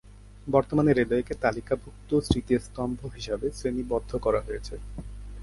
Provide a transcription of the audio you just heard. বর্তমানে রেলওয়েকে তালিকাভুক্ত স্মৃতিস্তম্ভ হিসেবে শ্রেণীবদ্ধ করা হয়েছে।